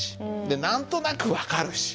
で何となく分かるし。